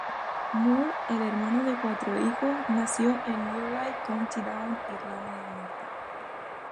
Moore, el mayor de cuatro hijos, nació en Newry, County Down, Irlanda del Norte.